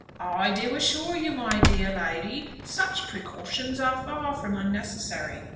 "I do assure you, my dear lady, such precautions are far from unnecessary.